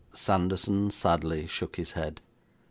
Sanderson sadly shook his head.